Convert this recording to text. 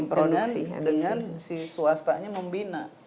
dan kombinasi dengan si swastanya membina